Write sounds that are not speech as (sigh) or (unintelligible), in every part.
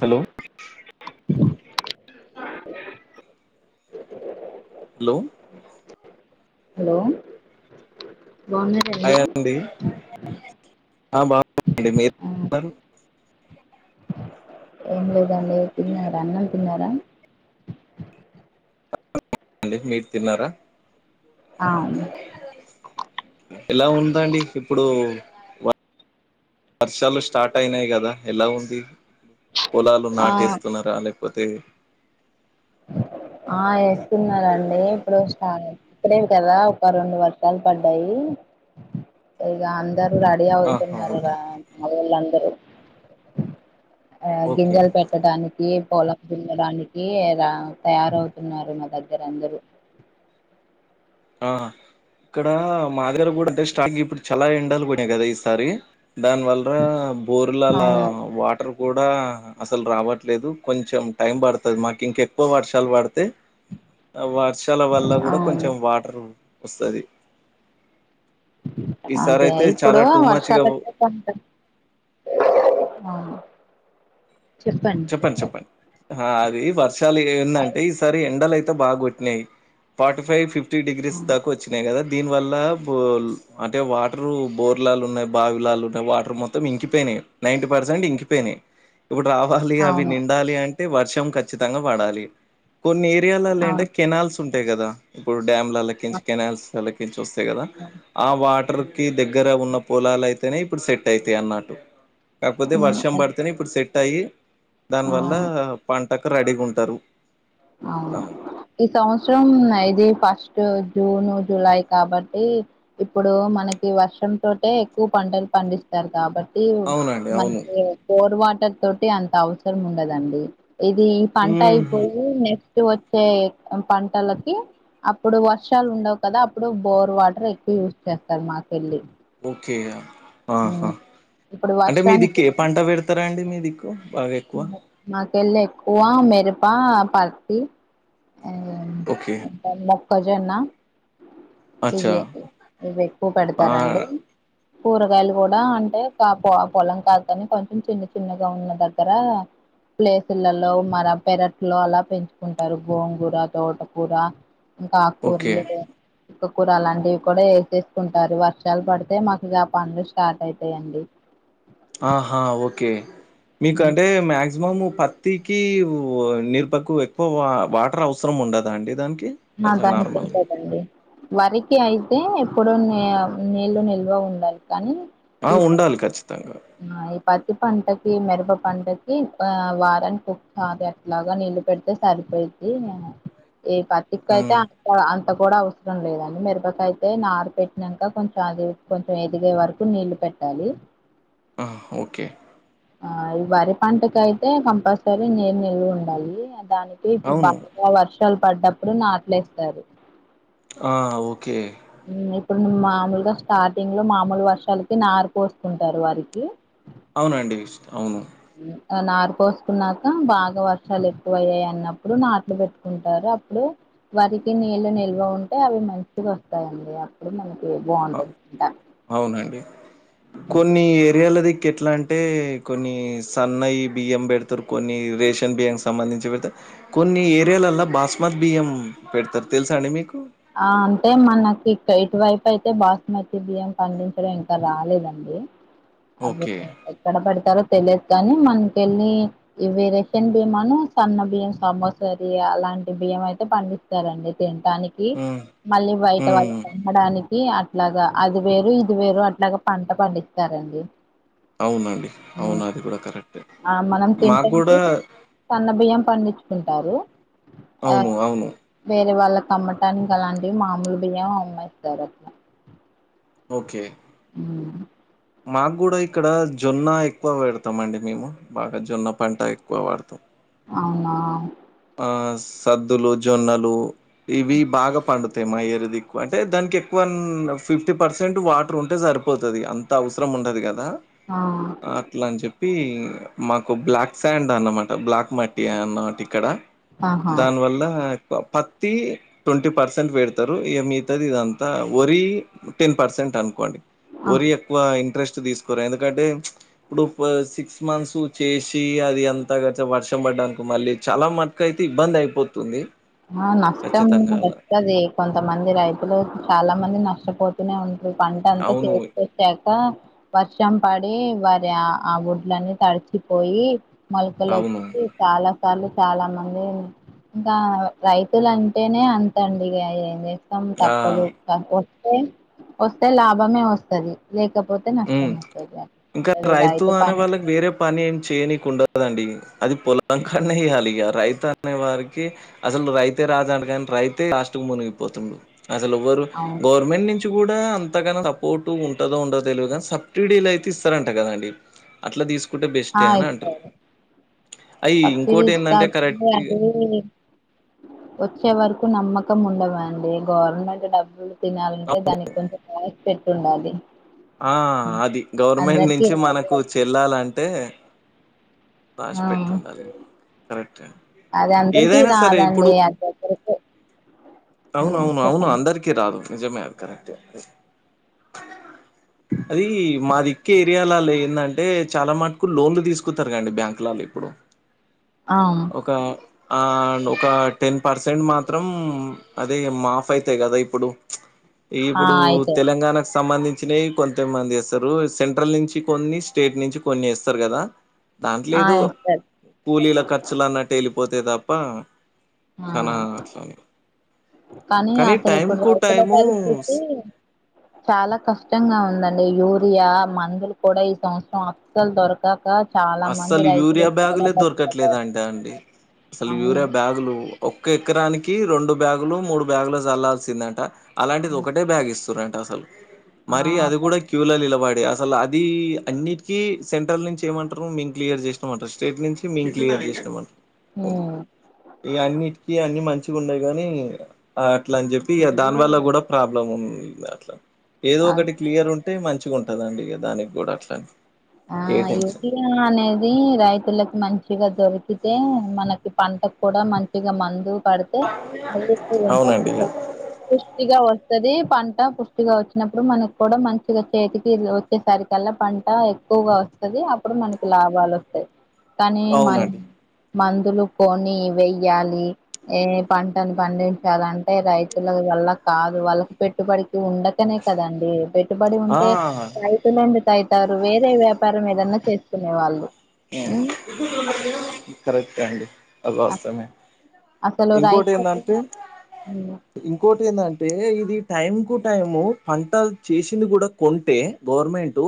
Hello hello hello బావున్నరా అండి ఆ బాగుండి మీరు ఆ (unintelligible) ఏం లేదండి తిన్నారా అన్నం తిన్నారా డి మీరు తిన్నారా అవును ఎలా ఉందండి ఇప్పుడు వ వర్షాలు స్టార్ట్ అయినాయి కదా ఎలా ఉంది పొలాలు ఆ నాటేస్తున్నారా లేకపోతే ఆ వేస్తున్నారండి ఇప్పుడు ఇప్పుడేమి కదా ఒక రెండు వర్షాలు పడ్డాయి ఇగ అ అందరు రేడీ ఆహా అవుతున్నారు ఓకే రా మావోళ్ళందరూ ఆ ఓకే గింజలు పెట్టడానికి పొలం దున్నడానికి ఇగ తయారవుతున్నారు మా దగ్గర అందరూ ఆ ఇక్కడ మా దగ్గర కూడా అంటే స్టాక్ ఇప్పుడు చాలా ఎండలు పడయి కదా ఈసారి దాని వల్ల బోర్లు అలా అవును వాటర్ గూడా అసలు రావట్లేదు కొంచెం టైం పడుతది మాకు ఇంకెక్కువ వర్షాలు పడితే ఆ వర్షాల వల్ల కూడా అవును కొంచెం వాటర్ వస్తది ఈసారి అదే అయితే ఇప్పుడు చాలా టూ మచ్గా వర్షాలుత ఉంటా (unintelligible) ఆ చెప్పండి చెప్పండి అది వర్షాలు ఏ ఏందంటే ఈసారి ఎండలు బాగా కొట్టినాయి ఫార్టీ ఫైవ్ ఫిఫ్టీ డిగ్రీస్ దాకా వచ్చినాయి కదా దీని వల్ల బోల్ అంటే వాటర్ బోర్లాలు ఉన్నాయి బావిలాలు ఉన్నాయి వాటర్ మొత్తం ఇంకిపోయినాయి నైన్టి పర్సెంట్ ఇంకిపోయినాయి ఇప్పుడు రా వాలి అవి అవును అవును నిండాలి అంటే వర్షం కచ్చితంగా పడాలి కొన్ని ఏరియాలలో ఏంటే కేనాల్స్ ఉంటాయి కదా ఇప్పుడు డ్యామ్లల కేలించి అవును కెనాల్స్ కేళ్లకించి వస్తాయి కదా ఆ వాటర్ కి దగ్గర ఉన్న పొలాలు అయితేనే ఇప్పుడు సెట్ అయితాయి అన్నట్టు కాకపోతే వర్షం ఆ పడితేనే ఇప్పుడు సెట్ అయి దాని వల్ల పంటకు రెడీగా ఉంటారు అవును అట్లాన ఈ సంవత్సరం ఇది ఫస్ట్ జూన్ జులై కాబట్టి ఇప్పుడు మనకి వర్షం తోటే ఎక్కువ పంటలు పండిస్త కాబట్టి అవునండి అవును మనకి బోరు వాటర్ తోటి అంత అవసరం ఉండదండి ఇది ఈ పంట ఊహు అయిపోయి నెక్స్ట్ వచ్చే పంటలకి అప్పుడు వర్షాలు ఉండవు కదా అప్పుడు బోర్ వాటర్ ఎక్కువ యూజ్ చేస్తారు మాకేళ్ళి ఓకే ఆహా ఇప్పుడు అంటే మీ దిక్కు వర్షానికి ఏ పంట పెడతారా అండి మీ దిక్కు బాగా ఎక్కువ మాకెళ్ళి ఎక్కువ మిరపా పత్తి ఆ ఓకే ఇంకా మొక్కజొన్న అచ్చా ఇవి ఇవి ఎక్కువ ఆ పెడతారండి కూరగాయలు కూడా అంటే కా పొలం కాదు కాని కొంచెం చిన్న చిన్నగా ఉన్నద గర ప్లేసులలో మన పెరట్లో అలా పెంచుకుంటారు గోంగూర తోటకూర ఇంక ఆకు ఓకే కురలు కూర అలాంటివి కూడా వేసేసుకుంటారు వర్షాలు పడితే మాకు ఇగ పన్లు స్టార్ట్ అయితయి అండి (inaudible) ఆహా ఓకే మీకంటే మాక్సిమం పత్తికి మిరపకు ఎక్కువ వా వాటర్ అవసరం ఉండద అండి దానికి ఆ అచ్చ దానికి నార్మల్గా ఉంటదండి వరికి అయితే ఇప్పుడు నీ నీళ్లు నిల్వ ఉండాలి కానీ ఆ ఈ ఉండాలి ఖచ్చితంగా ఈ పన్ పంటకి మిరప పంటకి ఆ వారానికి ఒకసారి అట్లాగా నీళ్ళ పెడితే సరిపో ఈ పత్తికైతే మ్ అంత కూడా అవసరం లేదండి మిరపకయితే నారు పెట్టినాక కొంచెం అది కొంచెం ఎదిగే వరకు నీళ్లు పెట్టాలి ఆ ఓకే ఆ ఈ వరి పంటకయితే కంపల్సరీ నీరు నిల్వ ఉండాలి దానికి ఇప్పుడు అవును బాగా వర్షాలు పడ్డప్పుడు నాట్లేస్తారు ఆ ఓకే ఇప్పుడు మామూలుగా స్టార్టింగ్ లో మామూలు వర్షాలకి నారు కోస్తుంటారు వరికి అవునండి అవును నారు కోసుకున్నాక బాగా వర్షాలు ఎక్కువ అయ్యాయి అన్నప్పుడు నాట్లు పెట్టుకుంటారు అప్పుడు వరికి నీళ్ళ నిల్వ ఉంటే అవి మంచిగా వస్తాయండి అప్పుడు మనకి ఆ బాగుంటది పంట అవునండి కొన్ని ఏరియాల ది క్కు ఎట్లా అంటే కొన్ని సన్నయి బియ్యం పెడతారు కొన్ని రేషన్ బియ్యనికి సంబంధించి పెడతారు కొన్ని ఏరియాలల్ల బాస్మత్ బియ్యం పెడతారు తెలుసా అండి మీకు ఆ అంటే మనకి ఇ ఇటువైపు అయితే బాస్మతి బియ్యం పండించడం ఇంకా రాలేదండి, అవి ఓకే. ఎక్కడ పెడతరో తెలిదు కాని మనకెళ్ళి ఇవి రేషన్ బియ్యమాను సన్న బియ్యం సమైసరి అలా లాంటి బియ్యం అయితే పండిస్తారండి తినటానికి హ్మ్. మళ్ళీ బయట హ్మ్. వాళ్ళుకి అమ్మాడానికి అట్లాగా అది వేరు ఇది వేరు అట్లాగా పంట పండిస్తారండి, అవునండి ఉమ్. అవును అది కూడా కరెక్ట్ ఆ మనం మా తింటానికి కూడా సన్న బియ్యం పండించుకుంటారు, అవును. అవును. వేరే వాళ్ళకు అమ్మటానికి అలాంటివి మామూలు బియ్యం అమ్మెస్తారు అట్ల ఓకే ఉమ్ మాకు కూడా ఇక్కడ జొన్న ఎక్కువ పేడతాం అండి మేము బాగా జొన్న పంట ఎక్కువ వాడతాం, అవునా ఆ సద్దులు, జొన్నలు ఇవి బాగా పండుత అంతే మా ఏరియా దిక్కు ఎక్కువ అంటే దానికి ఎక్కువ ఫిఫ్టీ పర్సెంట్ వాటర్ ఉంటే సరిపోతది, అంత అవసరం ఉండది కదా ఆ, అట్లా అని చె ప్పి మాకు బ్లాక్ శాండ్ అన్నమాట బ్లాక్ మట్టి అన్నమాట ఇక్కడ ఆహా దాని వల్ల పత్తి ట్వంటీ పర్సెంట్ పేడతారు, ఇగా మిగతాది ఇదంతా వరి టెన్ పర్సెంట్, అనుకోండి ఆ. వరి ఎక్కువ ఇంట్రెస్ట్ తీసుకోరు ఎందుకంటే ఇప్పుడు సిక్స్ మంత్స్ చేసి అది అంతా వర్షం ప డాది అనుకో మళ్ళీ చాలా మటుకు అయితే ఇబ్బంది అయిపోతుంది ఆ నష్టం ఖచ్చితంగా అలా వస్తది కొంతమంది రైతులు చాలా మంది నష్టపోతూనే ఉం ఇప్పుడు పంట అంతా అవును చేతికి వచ్చాక వర్షం పడి వరి ఆ ఆ వడ్లన్నీ తడిచిపోయి, మొలకలు అవును వచ్చి చాలా సార్లు చాలా మంది ఇంకా రైతులు అంటేనే అంతండి ఇగ ఏం చేస్తాం ఆ తప్పదు కా పోతే వస్తే లాభమే వస్తది లేక ఉ ఇంకా రైతు అనే వాళ్ళకి వేరే పని ఏమి చేయనీకి ఉండది కదండీ అది పొలం కనేయ్యాలిగ రైతు అనే వారికి అసలు రైతే రాజా అంటరు గానీ రైతే లాస్టుకు మునిగిపోతుడు, అసలు ఎవ్వరు అవును గవర్నమెంట్ నుంచి కూడా అంతగాన సపోర్ట్ ఉంటదో ఉండదు తెలువద్ గా సబ్సిడీలు అయితే ఇస్తారంట, గ దండి అట్లా తీసుకుంటే బెస్టే అని అంటరు అయి ఇంకోటి ఏందంటే కరెక్ట్‌గా వచ్చేవరకు నమ్మకం ఉండదండి గవర్నమెంట్ డబ్బులు తినాలంటే దానికి కొంచెం రాసి పేటి ఉండాలి ఆ అది గవర్నమెంట్ నుంచి రాదు మనకు అది చెల్లాలంటే రాసి ఆ పెట్టి ఉండాలి కరెక్టే. అది అందరికీ ఏదైనా సరే రాదండి అది ఒకరికే అవును అవును అవును అందరికి రాదు నిజమే అది కరెక్ట్ (inaudible) అది మాదిక్కే ఏరియాలాలో ఏంటంటే చాలా మటుకు లోన్లు తీసుకుంటారు కదండి బ్యాంకు లో ఇప్పుడు (inaudible) ఒక ఆ ఒక టెన్ పర్సెంట్ మాత్రం అదే మాఫ్ అయితయి గదా ఇప్పుడు ఆ ఇప్పుడు అయితే తెలంగాణ స్ సంబంధించినవి కొంత మంది ఎస్తారు సెంట్రల్ నుంచి కొన్ని స్టేట్ నుంచి కొన్ని ఎస్తారు గదా ఆ దాంట్లేఎదో ఇస్తారు కూలీల ఖర్చులు అన్నట్టు ఎళ్ళిపోతే తప్ప ఆ అనా అట్లని కానీ అసలు టైం ఇప్పుడు కు రైతుల టైము పరిస్థితి చాలా కష్టంగా ఉందండి, యూరియా మందులు గూడా ఈ సంవత్సరం అసలు దొరకాక అస్సలు యూరియా బ్యాగులే దొరకట్లేదు పడ్డారు అంటే అండి అసలు అవును యూరియా బ్యాగులు ఒక్క ఎకరానికి రెండు బ్యాగులు మూడు బ్యాగులు చల్లాల్సిందంట అలాంటిది ఉమ్, ఒకటే బ్యాగ్ ఇస్తురంట అసలు ఆ మరి అది గూడా క్యూల నిలబడి అసలు అది అన్నిటికీ సెంట్రల్ నుంచి ఏమంట మేం క్లియర్ చేసినమాటర్ స్ట్రేట్ నుంచి మేం క్లియర్ చేసినమాటర్ ఉమ్ అన్నిటికి అన్నీ మంచి ఉండే గాని అట్ల అని చెప్పి దాని వల్ల గూడా ప్రాబ్లం ఉంది అట్లా ఏదో అ ఒకటి క్లియర్ ఉంటే మంచిగా ఉంటందండి ఇగా దానికి గూడా అట్లానే ఆ యోగినే అది రైతులకి మంచిగా దొరికితే మనకి పంట గూడా మంచిగా మందు పడితే మ అవునండి ఇక పుష్టిగా వస్తది పంట పుష్టిగా వచ్చినప్పుడు మనకు గూడా మంచిగా చేతికి వచ్చేసరి కల్లా పంట ఎక్కువగా వస్తది అప్పుడు మనకి లాభాలు వస్తాయి కానీ మ అవునండి మందులు కొని వయ్యాలి ఏ పంటను పండించాలంటే రైతులకు వాళ్ళ కాదు వాళ్ళకి పెట్టుబడికి ఉండకనే కదండి పెట్టుబడి ఆ ఉంటే రైతులందుకు అయితారు వేస్ట్ ఇదే వ్యాపారం ఏదన్నా చేస్తుకునే వాళ్ళు ఉమ్ కరెక్ట్ అండి అది అ- వాస్తమే అసలు ఇంకోటి రైతులకు ఏందంటే ఉమ్ ఇంకోటి ఏందంటే ఇ ఇది టైం కు టు టైం పంటలు చేసింది గూడా కొంటే గవర్నమెంట్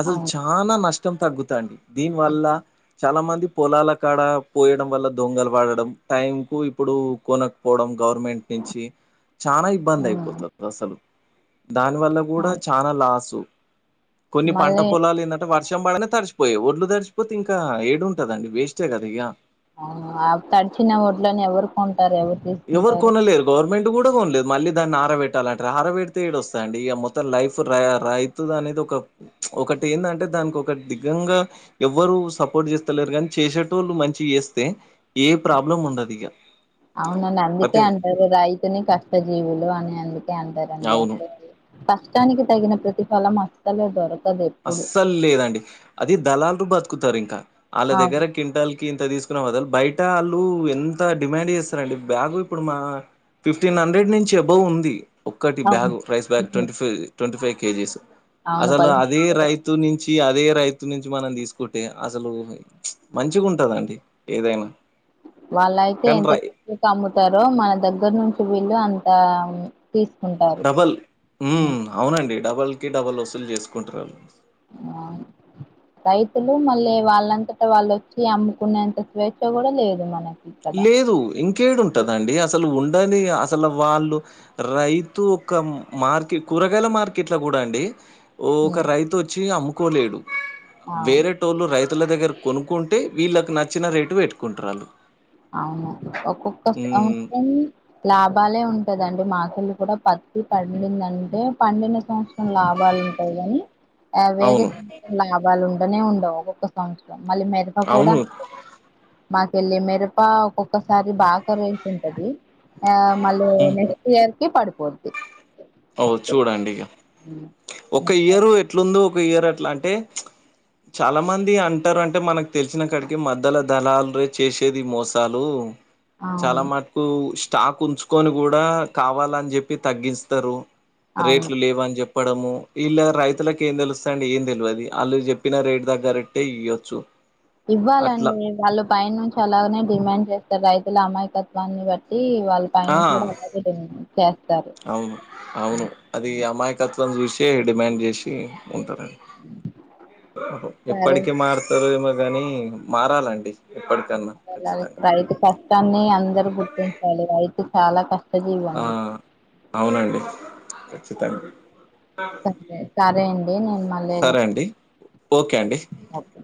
అసలు అవును చాలా నష్టం తగ్గుతాంది దీని వల్ల చాలా మంది పొలాల కాడ పోయడం వల్ల దొంగలు పడడం టైం కు ఇప్పుడు కొనకపోవడం గవర్నమెంట్ నుంచి చాలా ఇబ్బంది ఉమ్ అయిపోతరు అసలు దాని వల్ల గూడా అవును చాల లాసు కొన్ని పంట మళ్ళీ పొలాలు ఏంటే వర్షం పడనే తడిచిపోయేవి ఒడ్లు తడిచ్ పోతే ఇంకా ఏడుంటదండి వేస్టే కదా ఇగ అవ్ అ తడిచిన ఓడ్లని ఎవరు కొంటారు ఎవరు తీసుకుంటారు మెంట్ కూడా కొనలేదు మళ్ళీ దాన్ని ఆరబెట్టాలంట ఆరబెడితే ఏడోస్తాదండి ఇగ మొతం లైఫ్ రై రైతు దా ఒక ఒకటి ఏందంటే దానికి ఒక దిగ్గంగా ఎవ్వరు సపోర్ట్ చేస్తలేరు కానీ చేసే టోళ్ళు మంచిగ చేస్తే ఏ ప్రాబ్లం ఉండదు ఇగ అవునండి అందుకే ప్రతి అంటారు రైతుని కష్ట జీవులు అని అందుకే అంటారండి అవును కష్టానికి తగిన ప్రతిఫలం అసలే దొర అస్సలు లేదండి అది దళాల బతుకుతారు ఇంకా వాళ్ళ అవును దగ్గర కింటల్ ఇంత తీసుకున్నా వదలు బయట వాళ్ళు ఎంత డిమాండ్ చేస్తారంటే బ్యాగు ఇప్పుడు మా ఫిఫ్టీన్ హండ్రెడ్ నుంచి అబౌవ్ ఉంది ఒక్కటి అవును bag rice bag twenty five twenty five kgs ఆవును పది ఏ రైతు నుంచి అదే రైతు నుంచి మనం తీసుకుంటే అసలు మంచిగా ఉంటదండి ఏదైనా వాళ్ళయితే కానీ ఎంత రై త అమ్ముతారో మన దగ్గర నుంచి వీళ్ళు అంత తీసుకుంటారు డబల్ ఉమ్, మ్ అవునండి డబల్ కి డబల్ వసూలు చేసుకుంటారళ్ళు ఆ రైతులు మళ్ళీ వాళ్ళంతటా వాళ్ళుొచ్చి అమ్ముకునేంత స్వేచ్ఛ కూడా లేదు మనకి ఇక్కడ లేదు ఇంకేడుంటదండి అసలు ఉండని అసలు వాళ్ళు రైతు ఒక మార్కెట్ కూరగాయల మార్కెట్ ల కూడా అండి ఓ ఒక ఉమ్, రైతు వచ్చి అమ్ముకోలేడు అవును వేరే టోళ్ళు రైతు ల దగ్గర కొనుక్కుంటే వీళ్ళకి నచ్చిన రేటు పెట్టుకుంటారళ్ళు అవును ఒక్కొక్క సంవత్సరం లాభ బాలే ఉంటుదండి మకేళి కూడా పత్తి పండిందంటే పండిన సంవత్సరం లాభాలే ఉంటాయి కాని ఆ వేరే అవును. సంవత్సరం లాభాలు ఉండనే ఉండవు ఒక్కొక్క సంవత్సరం మళ్ళీ మిరప కూడా అవును. అంటే మాకెళ్ళి మిరప ఒక్కొక్కసారి బా రేట్ ఉంటది ఆ మళ్ళీ నెక్స్ట్ ఇయర్ కి పడిపోద్ది ఓ చూడండి ఇగ హ్మ్. ఒక ఇయరు ఎట్లుందో ఒక ఇయరు ఎట్లా అంటే చాలా మంది అంటారు అంటే మనకు తెలిసిన కాడికి మద్ద్యల దళార్లే చేసేది మోసాలు చాలా అవును మట్టుకు స్టాక్ ఉంచుకొని కూడా కావాలని చెప్పి తగ్గిిం తరు అవును రేట్లు లేవని చెప్ ప్పడము ఇళ్ళ రైతులకు ఏం తెలుస్తాదండి ఏం తెలియదు వాళ్ళు చెప్పిన రేటు దగ్గరట్టే ఇయ్యొచ్చు అట్లా ఇవ్వాలండి వాళ్ళు పైన నుంచి అలాగనే డిమాండ్ చేస్తారు రైతు ల అమాయకత్వాన్ని బట్టి వాళ్ళు ఆ పైనుంచి కూడా అలాగే డిమాండ్ చేస్తారు అవును అవును అది అమాయకత్వం చూసి డిమాండ్ చేసి ఉంటారండి సరే ఎప్పటికి మరుతారో మరి కాని మారాలండి ఎప్పటికన్నా అలా ఖచ్చితంగా రైతు కష్టాన్ని అందరు గుర్తించాలి రైతు చాలా కష్ అ అవునండి ఖచ్చితంగా సరే సరే అండి నేను మళ్ళీ ఎదో సరే అండి ఓకే అండి ఓకే